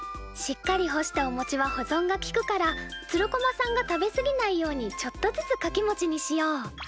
しっかり干したお餅は保存がきくからつる駒さんが食べ過ぎないようにちょっとずつかきもちにしよう。